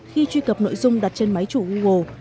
khi truy cập nội dung đặt trên máy chủ google